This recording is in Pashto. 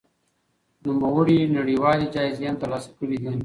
نوموړي نړيوالې جايزې هم ترلاسه کړې دي.